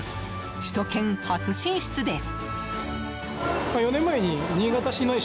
首都圏初進出です！